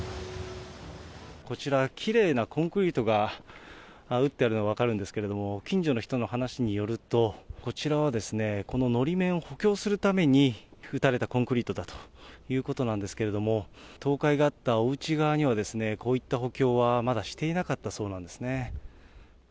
こちら、きれいなコンクリートが打ってあるのが分かるんですけれども、近所の人の話によると、こちらはこののり面を補強するために、打たれたコンクリートだということなんですけれども、倒壊があったおうち側には、こういった補強はまだしていなかったそうなんですね。